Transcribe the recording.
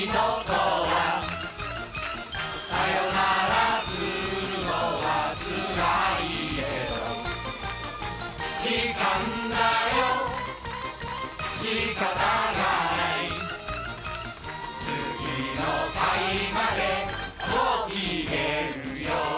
「さよならするのはつらいけど」「時間だよしかたがない」「次の回までごきげんよう」